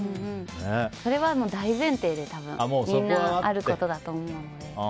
それはもう大前提で、多分みんなあることだと思うので。